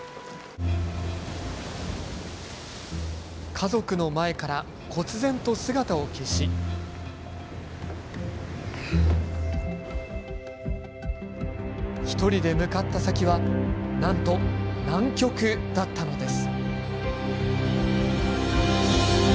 家族の前からこつ然と姿を消し１人で向かった先はなんと南極だったのです。